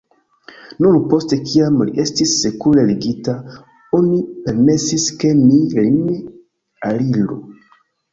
Nur post kiam li estis sekure ligita oni permesis ke mi lin aliru.